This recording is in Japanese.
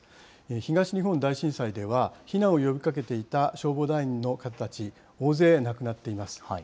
東日本大震災では、避難を呼びかけていた消防団員の方たち、大勢亡くなっています。